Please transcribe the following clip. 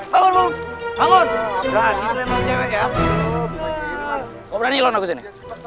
kok berani lo naik ke sini